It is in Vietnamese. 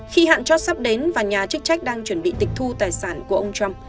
khi hạn cho sắp đến và nhà chức trách đang chuẩn bị tịch thu tài sản của ông trump